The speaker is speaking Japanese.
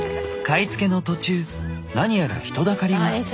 買い付けの途中何やら人だかりが。